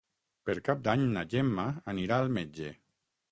Per Cap d'Any na Gemma anirà al metge.